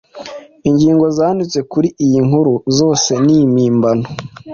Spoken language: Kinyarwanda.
ingingo zanditswe kuri inkuru zose nimpimbano